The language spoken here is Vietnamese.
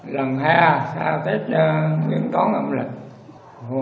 lần hai là sau tết nguyễn tón âm lịch